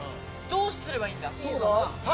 どうすればいいんだ？